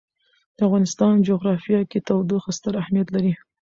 د افغانستان جغرافیه کې تودوخه ستر اهمیت لري.